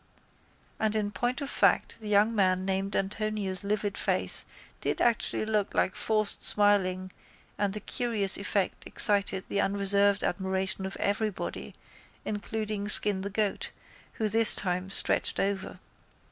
And in point of fact the young man named Antonio's livid face did actually look like forced smiling and the curious effect excited the unreserved admiration of everybody including Skin the Goat, who this time stretched over.